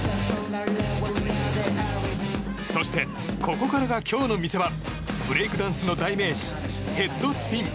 そしてここからが今日の見せ場。ブレイクダンスの代名詞ヘッドスピン。